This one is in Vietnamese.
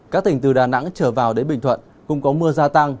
các tỉnh từ đà nẵng trở vào đến bình thuận cũng có mưa gia tăng